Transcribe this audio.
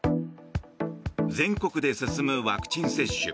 全国で進むワクチン接種。